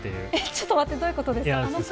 ちょっと待ってどういうことですか。